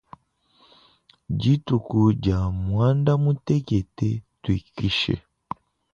Dituku dia muandamutekete tuikishe.